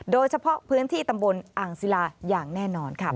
โดยเฉพาะพื้นที่ตำบลอ่างศิลาอย่างแน่นอนค่ะ